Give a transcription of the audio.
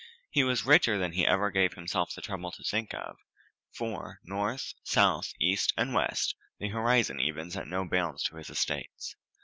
He was richer than he ever gave himself the trouble to think of, for, north, south, east, and west, the horizon even set no bounds to his estates.